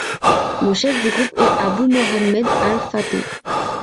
Le chef du groupe est Abou Mohammed al-Fateh.